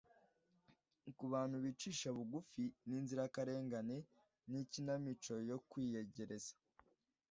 Kubantu bicisha bugufi ninzirakarengane ni ikinamico yo kwiyegereza,